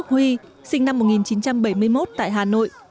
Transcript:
họa sĩ nguyễn quốc huy sinh năm một nghìn chín trăm bảy mươi một tại hà nội